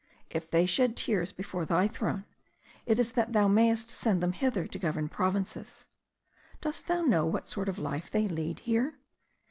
If they shed tears before thy throne, it is that thou mayest send them hither to govern provinces. Dost thou know what sort of life they lead here?